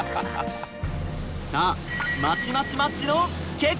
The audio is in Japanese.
さあまちまちマッチの結果は？